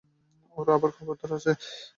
আর খবরদার কাজ বন্ধ দিবে না।